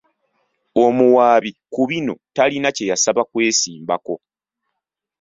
Omuwaabi ku bino talina kye yasaba kwesimbako.